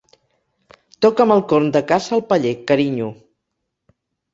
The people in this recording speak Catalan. Toca'm el corn de caça al paller, carinyo.